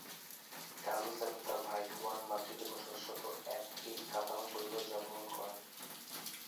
Carlos এবং তার ভাই হুয়ান মাদ্রিদে বসবাসরত একটি কাতালান পরিবারে জন্মগ্রহণ করেন।